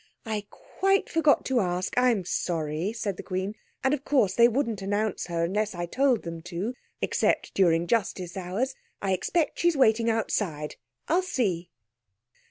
"I quite forgot to ask. I'm sorry," said the Queen. "And of course they wouldn't announce her unless I told them to, except during justice hours. I expect she's waiting outside. I'll see."